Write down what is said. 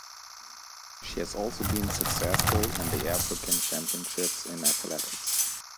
She has also been successful in the African Championships in Athletics.